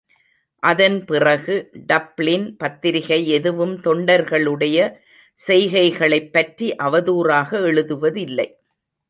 அதன்பிறகு டப்ளின் பத்திரிகை எதுவும் தொண்டர்களுடைய செய்கைகளைப் பற்றி அவதூறாக எழுதுவதில்லை.